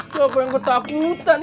siapa yang ketakutan